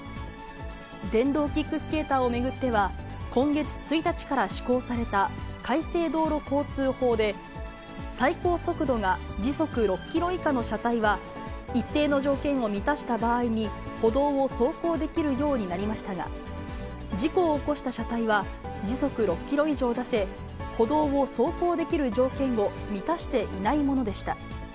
電動キックスケーターを巡っては、今月１日から施行された改正道路交通法で、最高速度が時速６キロ以下の車体は、一定の条件を満たした場合に、歩道を走行できるようになりましたが、事故を起こした車体は時速６キロ以上出せ、歩道を走行できる条件を満たしていないものでした。